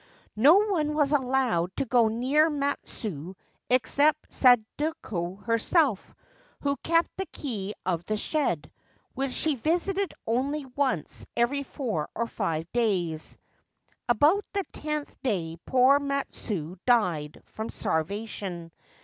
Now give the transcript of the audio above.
No one was allowed to go near Matsue except Sadako herself, who kept the key of the shed, which she visited only once every four or five days. About the tenth day poor Matsue died from starvation.